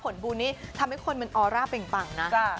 ผลบุญนี้ทำให้คนมันออร่าเป็งปังนะ